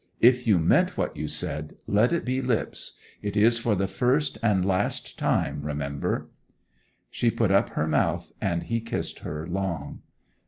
If you meant what you said, let it be lips. It is for the first and last time, remember!' She put up her mouth, and he kissed her long.